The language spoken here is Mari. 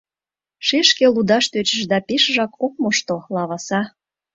— Шешке лудаш тӧчыш да пешыжак ок мошто, лаваса.